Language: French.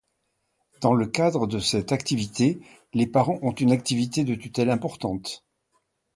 Dans le cadre de cette activité, les parents ont une activité de tutelle importante.